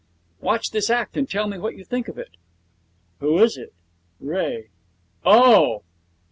'Watch this act and tell me what you think of it.' 'Who is it? Ray. Oh!'